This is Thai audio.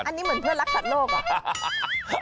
อันนี้เหมือนเพื่อนรักษาโลกอ่ะ